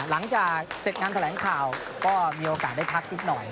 หลังจากเสร็จงานแถลงข่าวก็มีโอกาสได้พักนิดหน่อย